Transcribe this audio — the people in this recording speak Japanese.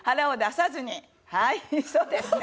はいそうですね。